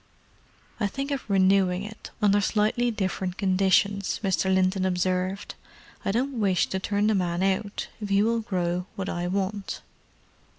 "I think of renewing it, under slightly different conditions," Mr. Linton observed. "I don't wish to turn the man out, if he will grow what I want."